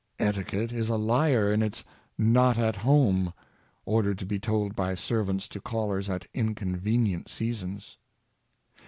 Etiquette is a liar in its *^ not at home "— ordered to be told by servants to callers at inconvenient seasons.